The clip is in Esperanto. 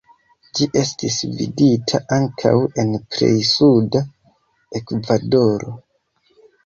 Ĝi estis vidata ankaŭ en plej suda Ekvadoro.